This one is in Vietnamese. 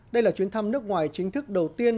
đây là chuyến thăm nước ngoài chính thức đầu tiên